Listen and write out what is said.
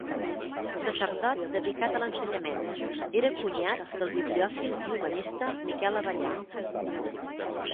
Sacerdot dedicat a l'ensenyament, era cunyat del bibliòfil i humanista Miquel Abellar.